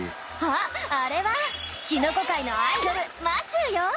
あっあれはキノコ界のアイドルマシューよ！